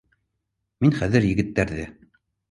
Мин хәҙер егеттәрҙе